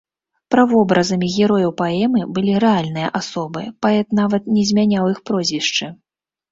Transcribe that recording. Правобразамі герояў паэмы былі рэальныя асобы, паэт нават не змяняў іх прозвішчы.